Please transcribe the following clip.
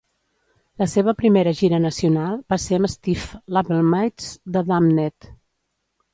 La seva primera gira nacional va ser amb Stiff labelmates the Damned.